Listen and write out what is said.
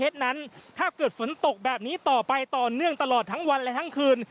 นั้นถ้าเกิดฝนตกแบบนี้ต่อไปต่อเนื่องตลอดทั้งวันและทั้งคืน